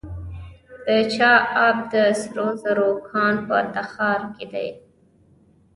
د چاه اب د سرو زرو کان په تخار کې دی.